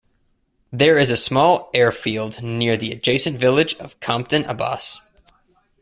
There is a small airfield near the adjacent village of Compton Abbas.